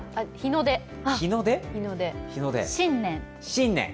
新年？